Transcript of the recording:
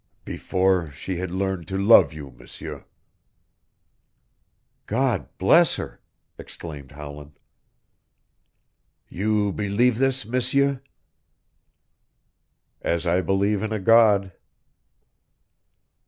"Before she had learned to love you, M'seur." "God bless her!" exclaimed Howland. "You believe this, M'seur?" "As I believe in a God."